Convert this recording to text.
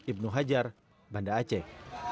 ibnu hajar banda aceh